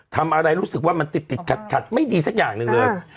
ทำอะไรรู้สึกว่ามันติดขัดไม่ดีสักอย่างหนึ่งเลย